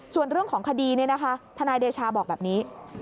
ส่วนเรื่องของคดีทนายเดชาบอกแบบนี้